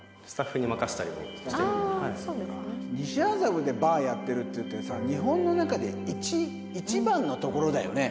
西麻布でバーやってるっていうとさ日本の中で一番の所だよね